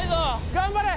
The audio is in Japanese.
頑張れ。